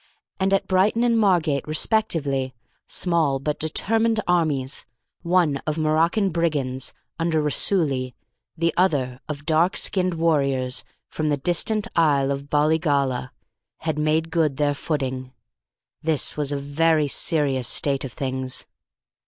And, at Brighton and Margate respectively, small but determined armies, the one of Moroccan brigands, under Raisuli, the other of dark skinned warriors from the distant isle of Bollygolla, had made good their footing. This was a very serious state of things.